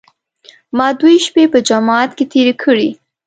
ما دوې شپې په جومات کې تېرې کړې.